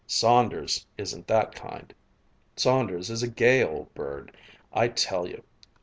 Saunders isn't that kind! Saunders is a gay old bird, I tell you!